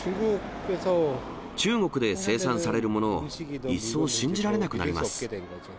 中国で生産されるものを、一層信じられなくなります。